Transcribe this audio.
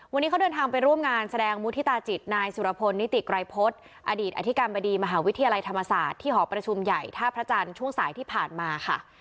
วันนี้เขาเดินทางไปร่วมงานแสดงมุฒิตาจิตนายสุรพลนิติไกรพฤษอดีตอธิการบดีมหาวิทยาลัยธรรมศาสตร์ที่หอประชุมใหญ่ท่าพระจันทร์ช่วงสายที่ผ่านมาค่ะ